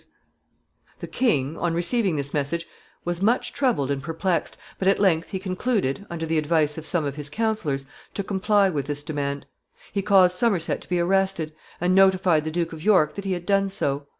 [Sidenote: An appointment] The king, on receiving this message, was much troubled and perplexed, but at length he concluded, under the advice of some of his counselors, to comply with this demand. He caused Somerset to be arrested, and notified the Duke of York that he had done so.